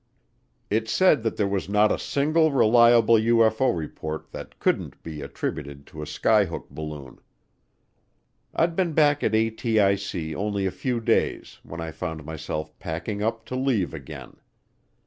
It said that there was not a single reliable UFO report that couldn't be attributed to a skyhook balloon. I'd been back at ATIC only a few days when I found myself packing up to leave again.